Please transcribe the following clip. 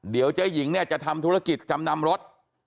เดียวเจ๊ห่ิงจะทำธุรกิจจำนำรถ